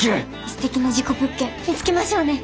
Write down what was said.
素敵な事故物件見つけましょうね。